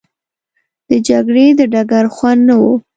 د جګړې د ډګر خوند نه وو.